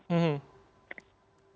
sesuai dengan kebutuhan